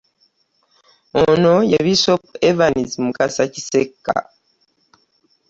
Ono ye Bishop Evans Mukasa Kisekka